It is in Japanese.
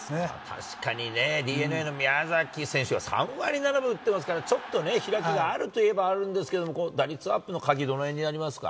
確かにね、ＤｅＮＡの宮崎選手が、３割７分打ってますから、ちょっとね、開きがあると言えばあるんですけど、打率アップの鍵、どのへんになりますか？